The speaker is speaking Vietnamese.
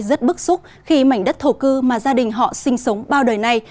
rất bức xúc khi mảnh đất thổ cư mà gia đình họ sinh sống bao đời này